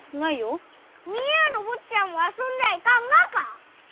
峰屋の坊ちゃんは遊んじゃいかんがか！？